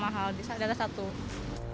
di daerah bareo pilihannya justru luas